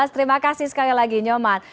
terima kasih sekali lagi nyoman